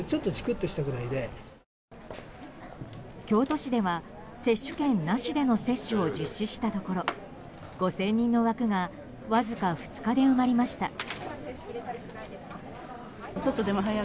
京都市では、接種券なしでの接種を実施したところ５０００人の枠がわずか２日で埋まりました。